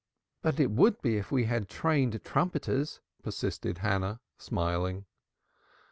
"But it would be if we had trained trumpeters," persisted Hannah, smiling.